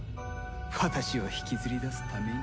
私を引きずり出すために。